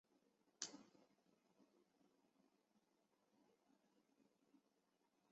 事情终究还没解决